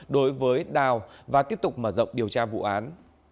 đối với đào và tiếp tục mở rộng điều tra vụ án